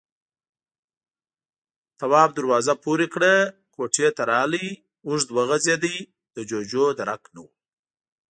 تواب دروازه پورې کړه، کوټې ته راغی، اوږد وغځېد، د جُوجُو درک نه و.